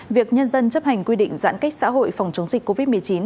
việc nhân dân chấp hành quy định giãn cách xã hội phòng chống dịch covid một mươi chín